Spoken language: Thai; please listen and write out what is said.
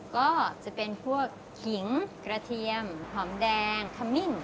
ก็จะเป็นพวกขิงกระเทียมหอมแดงขมิ้น